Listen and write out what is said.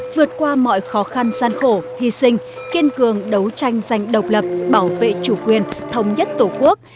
vượt qua mọi khó khăn gian khổ hy sinh kiên cường đấu tranh giành độc lập bảo vệ chủ quyền thống nhất tổ quốc